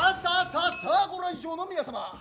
さあご来場の皆様。